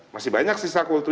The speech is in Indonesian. masih banyak sisa kultif